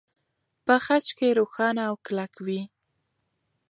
په خج کې روښانه او کلک وي.